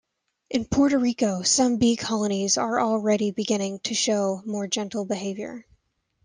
In Puerto Rico, some bee colonies are already beginning to show more gentle behavior.